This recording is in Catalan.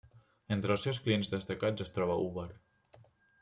Entre els seus clients destacats es troba Uber.